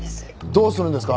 どうするんですか？